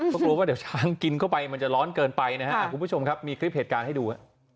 ก็กลัวว่าเดี๋ยวช้างกินเข้าไปมันจะร้อนเกินไปนะครับคุณผู้ชมครับมีคลิปเหตุการณ์ให้ดู